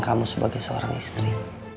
kamu sebagai seorang istri